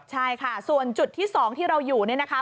ใช่ค่ะส่วนจุดที่๒ที่เราอยู่เนี่ยนะคะ